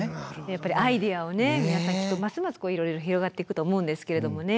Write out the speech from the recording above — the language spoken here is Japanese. やっぱりアイデアをね皆さんきっとますますいろいろ広がっていくと思うんですけれどもね。